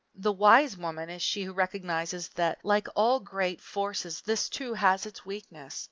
The wise woman is she who recognizes that like all great forces this, too, has its weakness.